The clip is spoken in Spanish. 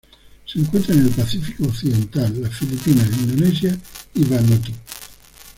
Se encuentra en el Pacífico occidental: las Filipinas, Indonesia y Vanuatu.